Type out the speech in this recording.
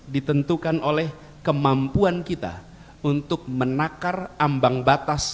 ditentukan oleh kemampuan kita untuk menakar ambang batas